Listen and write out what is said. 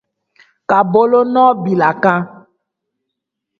- Ka bolonɔ bil'a kan.